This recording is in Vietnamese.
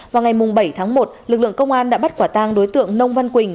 vào ngày bảy tháng một lực lượng công an đã bắt quả tang đối tượng nông văn quỳnh